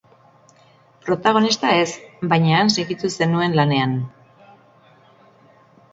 Protagonista ez, baina han segitu zenuen lanean.